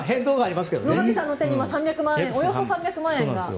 野上さんの手に今、およそ３００万円が。